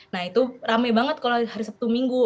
nah itu rame banget kalau hari sabtu minggu